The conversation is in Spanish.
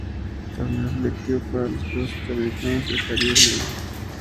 Torneo selectivo para los Juegos Centroamericanos y del Caribe en Maracaibo, Venezuela.